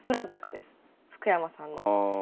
福山さんの。